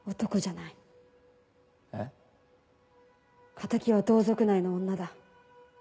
敵は同族内の女だ。